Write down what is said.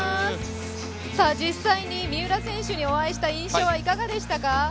実際に三浦選手にお会いした印象はいかがでしたか？